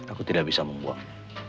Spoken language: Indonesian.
aku tidak bisa membuang